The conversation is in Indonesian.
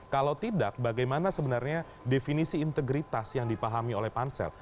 kalau tidak bagaimana sebenarnya definisi integritas yang dipahami oleh pansel